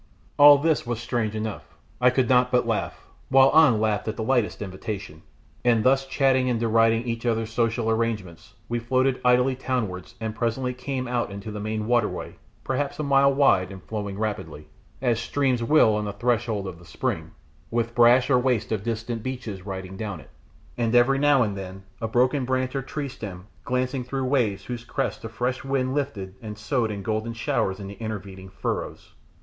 All this was strange enough. I could not but laugh, while An laughed at the lightest invitation, and thus chatting and deriding each other's social arrangements we floated idly townwards and presently came out into the main waterway perhaps a mile wide and flowing rapidly, as streams will on the threshold of the spring, with brash or waste of distant beaches riding down it, and every now and then a broken branch or tree stem glancing through waves whose crests a fresh wind lifted and sowed in golden showers in the intervening furrows.